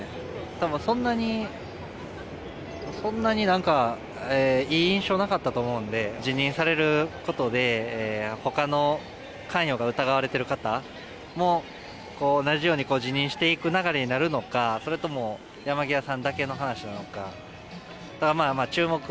たぶん、そんなに、そんなになんかいい印象なかったと思うんで、辞任されることで、ほかの関与が疑われてる方も、同じように辞任していく流れになるのか、それとも山際さんだけの話なのか。